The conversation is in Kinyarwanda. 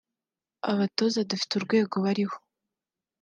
abatoza dufite urwego bariho